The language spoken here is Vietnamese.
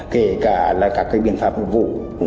kể cả các biện pháp vụ